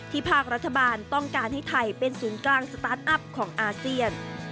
ภาครัฐบาลต้องการให้ไทยเป็นศูนย์กลางสตาร์ทอัพของอาเซียน